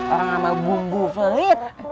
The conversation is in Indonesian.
orang amal bunggu pelit